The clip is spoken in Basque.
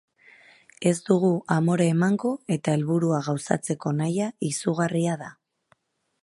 Ez dugu amore emango eta helburua gauzatzeko nahia izugarria da.